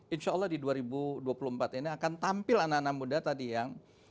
insya allah di dua ribu dua puluh empat ini akan tampil anak anak muda tadi yang